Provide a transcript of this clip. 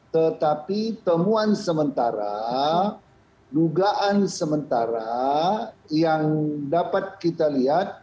tetapi temuan sementara dugaan sementara yang dapat kita lihat